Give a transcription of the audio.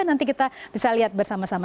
nanti kita bisa lihat bersama sama